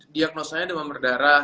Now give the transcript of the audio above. diagnosanya demam berdarah